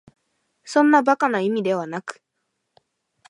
そんな馬鹿な意味ではなく、